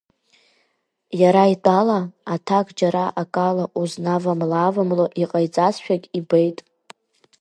Иара итәала аҭак џьара акала узнавамлааавамло иҟаиҵазшәагь ибеит.